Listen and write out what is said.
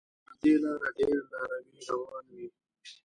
پر دې لاره ډېر لاروي روان وي.